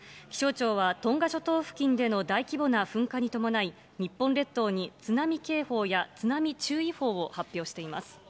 気象庁は、トンガ諸島付近での大規模な噴火に伴い、日本列島に津波警報や津波注意報を発表しています。